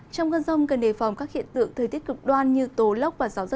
trong cơn rông cần đề phòng các hiện tượng thời tiết cực đoan như tố lốc và gió gió